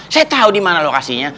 saya tau dimana lokasinya